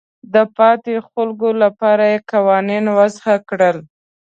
د پاتې خلکو لپاره یې قوانین وضع کړل.